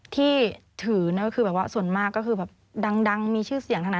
ที่ถือส่วนมากก็คือดังมีชื่อเสียงทั้งนั้น